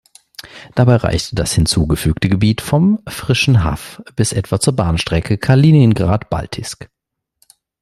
Dabei reichte das hinzufügte Gebiet vom Frischen Haff bis etwa zur Bahnstrecke Kaliningrad–Baltijsk.